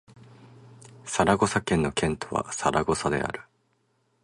サラゴサ県の県都はサラゴサである